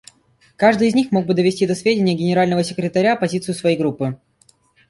Каждый из них мог бы довести до сведения Генерального секретаря позицию своей группы.